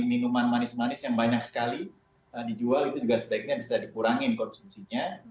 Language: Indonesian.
minuman manis manis yang banyak sekali dijual itu juga sebaiknya bisa dikurangin konsumsinya